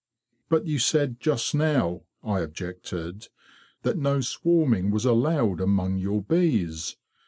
'* But you said just now,'"' I objected, '' that no swarming was allowed among your bees.